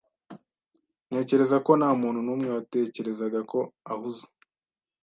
Ntekereza ko ntamuntu numwe watekerezaga ko ahuze.